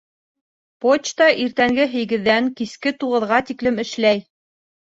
Почта иртәнге һигеҙҙән киске туғыҙға тиклем эшләй.